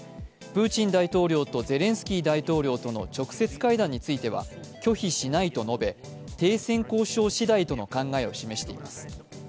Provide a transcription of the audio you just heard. プーチン大統領とゼレンスキー大統領との直接会談については拒否しないと述べ、停戦交渉次第との考えを示しています。